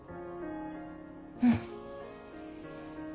うん。